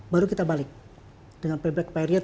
baru kita balik dengan payback period